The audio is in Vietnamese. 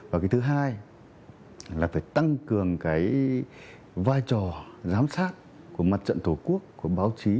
và cái thứ hai là phải tăng cường cái vai trò giám sát của mặt trận tổ quốc của báo chí